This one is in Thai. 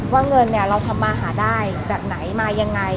ว่าเงินเนี่ยเราทำมาหาได้แบบไหนมายังไง